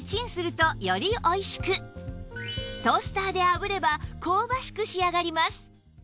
トースターで炙れば香ばしく仕上がります